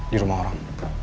di rumah orang